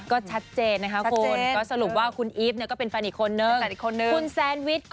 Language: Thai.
ก็ชัดเจนนะคะคุณสรุปว่าคุณอีฟก็เป็นฟันอีกคนนึง